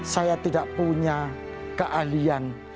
saya tidak punya keahlian